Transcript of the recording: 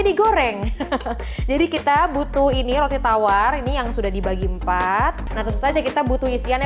digoreng jadi kita butuh ini roti tawar ini yang sudah dibagi empat nah tentu saja kita butuh isiannya